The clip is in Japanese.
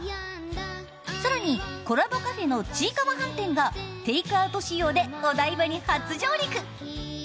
更に、コラボカフェのちいかわ飯店がテイクアウト仕様でお台場に初上陸！